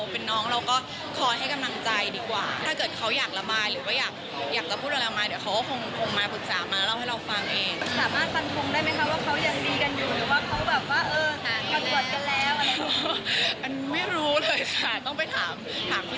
ก็มองว่าจะเป็นคลิปทัดใจของใบเตยอยู่บ้าง